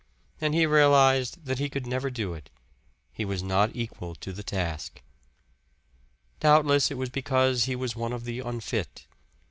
And he realized that he could never do it he was not equal to the task. Doubtless, it was because he was one of the unfit.